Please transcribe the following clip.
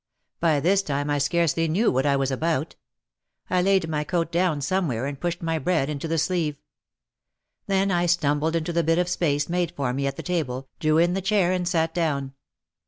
By this time I scarcely knew what I was about. I laid my coat down somewhere and pushed my bread into the sleeve. Then I stumbled into the bit of space made for me at the table, drew in the char and sat down.